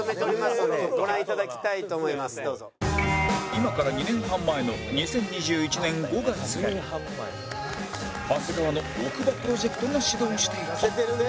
今から２年半前の２０２１年５月に長谷川の奥歯プロジェクトが始動していた